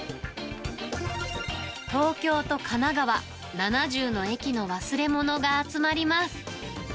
東京と神奈川、７０の駅の忘れ物が集まります。